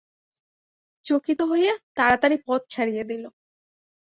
চকিত হইয়া তাড়াতাড়ি পথ ছাড়িয়া দিল।